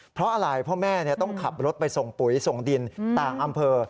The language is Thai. เพราะอะไรพ่อแม่ต้องขับรถไปส่งปุ๋ยส่งดินต่างอำเภอ